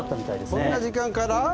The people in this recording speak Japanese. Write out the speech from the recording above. こんな時間から？